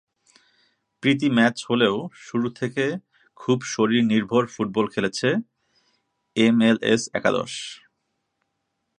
প্রীতি match হলেও শুরু থেকে খুব শরীরনির্ভর ফুটবল খেলেছে এমএলএস একাদশ।